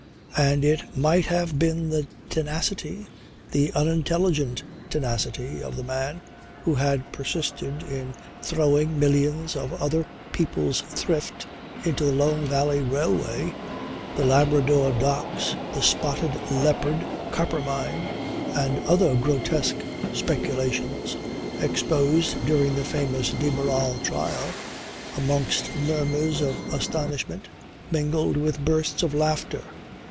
And it might have been the tenacity, the unintelligent tenacity, of the man who had persisted in throwing millions of other people's thrift into the Lone Valley Railway, the Labrador Docks, the Spotted Leopard Copper Mine, and other grotesque speculations exposed during the famous de Barral trial, amongst murmurs of astonishment mingled with bursts of laughter.